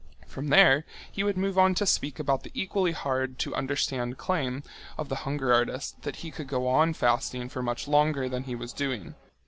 From there he would move on to speak about the equally hard to understand claim of the hunger artist that he could go on fasting for much longer than he was doing.